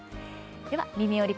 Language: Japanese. では「みみより！